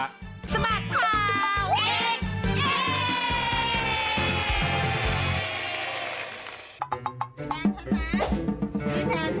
สมัครครับเอ็กซ์เอ็กซ์